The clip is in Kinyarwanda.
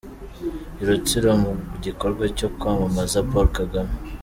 I Rutsiro mu gikorwa cyo kwamamaza Paul Kagame.